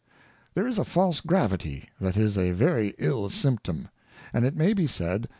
There is a false Gravity that is a very iU symptom ; and it may be said.